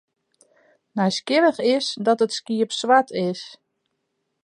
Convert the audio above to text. Nijsgjirrich is dat it skiep swart is.